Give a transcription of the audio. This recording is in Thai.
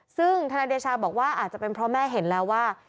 ซึ่งธนายเดชาบอกว่าอาจจะเป็นเพราะแม่เห็นแล้วว่า